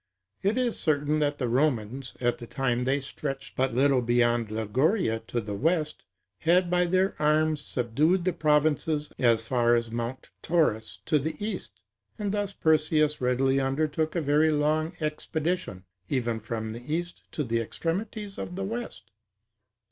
It is certain that the Romans, at the time they stretched but little beyond Liguria to the west, had by their arms subdued the provinces as far as Mount Taurus to the east. And thus Perseus readily undertook a very long expedition, even from the east to the extremities of the west.